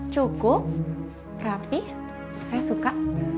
cukup rapih saya suka